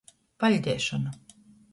Paļdeišona.